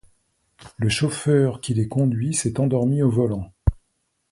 Le chauffeur qui les conduit s'est endormi au volant.